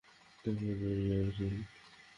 দেখো, দরিয়ার কূল।